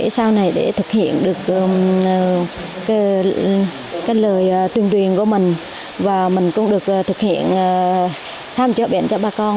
sau này để thực hiện được lời tuyên truyền của mình và mình cũng được thực hiện tham gia bệnh cho ba con